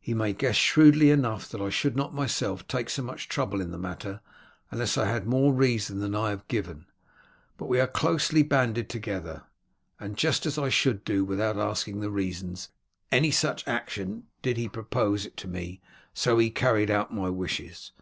He may guess shrewdly enough that I should not myself take so much trouble in the matter unless I had more reason than I have given; but we are closely banded together, and just as I should do, without asking the reasons, any such action did he propose it to me, so he carried out my wishes.